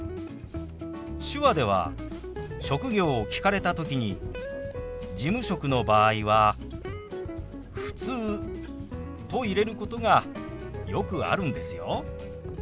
手話では職業を聞かれた時に事務職の場合は「ふつう」と入れることがよくあるんですよ。